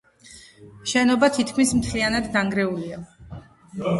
შენობა თითქმის მთლიანად დანგრეულია.